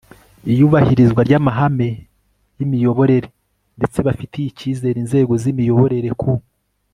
iyubahirizwa ry amahame y imiyoborere ndetse bafitiye icyizere inzego z imiyoborere ku